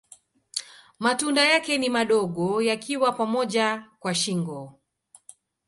Matunda yake ni madogo yakiwa pamoja kwa shingo.